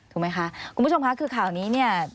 ถูกไหมคะคุณผู้ชมค่ะคือข่าวนี้เนี่ย